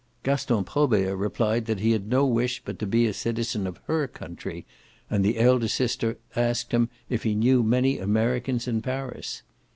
Gaston Probert replied that he had no wish but to be a citizen of HER country, and the elder sister asked him if he knew many Americans in Paris.